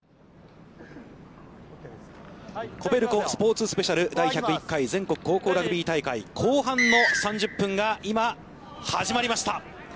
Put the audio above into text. ＫＯＢＥＬＣＯスポーツスペシャル第１０１回全国高校ラグビー大会後半の３０分が今、始まりました。